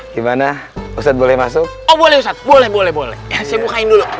gimana boleh masuk boleh boleh